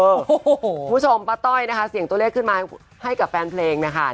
คุณผู้ชมป้าต้อยนะคะเสียงตัวเลขขึ้นมาให้กับแฟนเพลงนะคะ